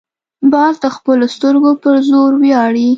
باز د خپلو سترګو پر زور ویاړي